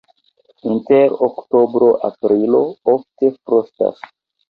Inter oktobro-aprilo ofte frostas.